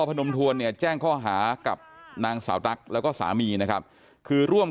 พนมทวนเนี่ยแจ้งข้อหากับนางสาวตั๊กแล้วก็สามีนะครับคือร่วม